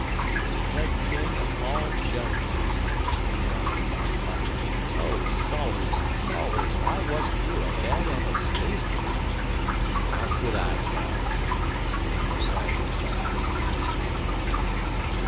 "The head king of all Jonahs," groaned Tom Platt. "Oh, Salters, Salters, why wasn't you abed an' asleep?" "How could I tell?" said poor Salters, as the schooner swung up.